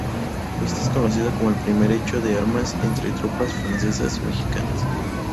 Este es conocido como el primer hecho de armas entre tropas francesas y mexicanas.